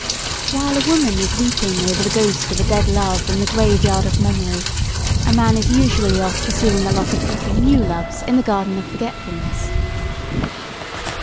While a woman is weeping over the ghost of a dead love in the graveyard of memory, a man is usually off pursuing a lot of little new loves in the garden of forgetfulness.